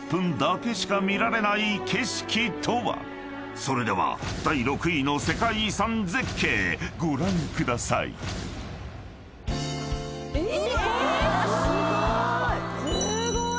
［それでは第６位の世界遺産絶景ご覧ください］あっ！！